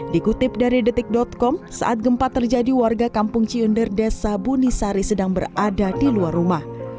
dikutip dari detik com saat gempa terjadi warga kampung ciyunder desa bunisari sedang berada di luar rumah